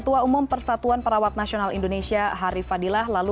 bapak bapak kita akan jeda dulu